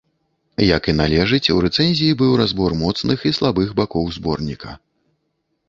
Як і належыць, у рэцэнзіі быў разбор моцных і слабых бакоў зборніка.